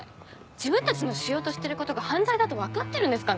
自分たちのしようとしてることが犯罪だと分かってるんですかね？